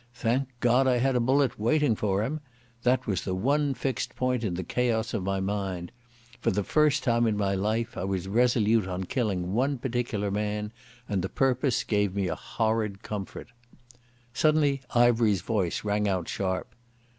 Thank God I had a bullet waiting for him. That was the one fixed point in the chaos of my mind. For the first time in my life I was resolute on killing one particular man, and the purpose gave me a horrid comfort. Suddenly Ivery's voice rang out sharp.